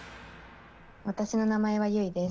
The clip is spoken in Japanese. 私の名前は、ゆいです。